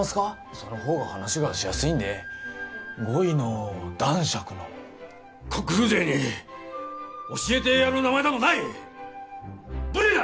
その方が話がしやすいんで五位の男爵のコック風情に教えてやる名前などない無礼だ！